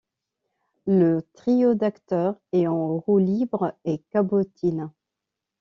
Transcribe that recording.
Le trio d’acteurs est en roue libre et cabotine.